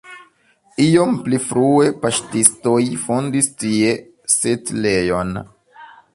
Iom pli frue paŝtistoj fondis tie setlejon.